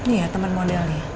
iya temen modelnya